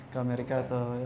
ke amerika atau eropa gitu kan